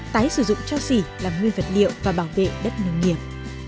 tái sử dụng cho xỉ làm nguyên vật liệu và bảo vệ đất nông nghiệp